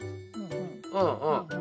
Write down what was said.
うんうん。